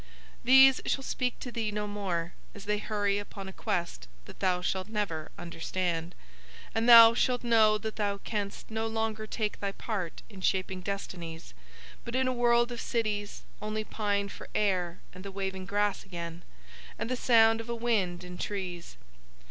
These shall speak to thee no more as they hurry upon a quest that thou shalt never understand, and thou shalt know that thou canst no longer take thy part in shaping destinies, but in a world of cities only pine for air and the waving grass again and the sound of a wind in trees.